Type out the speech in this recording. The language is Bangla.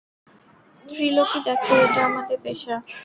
ত্রিলোকি দেখো, এটা আমাদের পেশা।